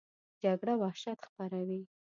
جګړه وحشت خپروي